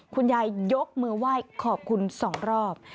คุณยายยกมือไหว้ขอบคุณ๒รอบ